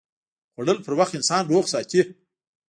خوړل پر وخت انسان روغ ساتي